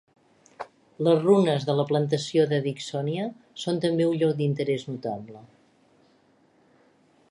Les runes de la plantació de Dicksonia són també un lloc d'interès notable.